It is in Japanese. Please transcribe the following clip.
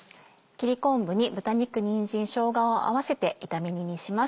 切り昆布に豚肉にんじんしょうがを合わせて炒め煮にします